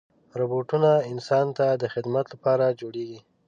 روبوټونه انسان ته د خدمت لپاره جوړېږي.